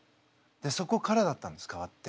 そこからだったんです変わって。